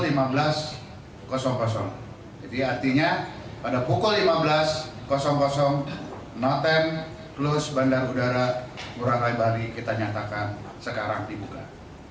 jadi artinya pada pukul lima belas notem plus bandar udara ngurah rai bali kita nyatakan sekarang dibuka